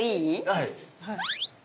はい。